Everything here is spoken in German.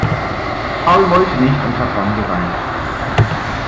Paul wollte nicht und hat dann geweint.